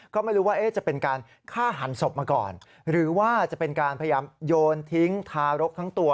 ก็ไม่รู้ว่าจะเป็นการฆ่าหันศพมาก่อนหรือว่าจะเป็นการพยายามโยนทิ้งทารกทั้งตัว